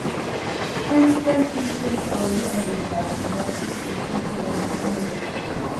Transplant patients already on this drug should not discontinue on becoming pregnant.